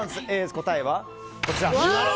答えはこちら。